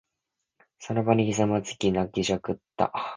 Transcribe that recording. その場にひざまずき、泣きじゃくった。